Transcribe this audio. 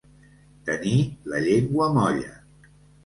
Tenir la llengua molla.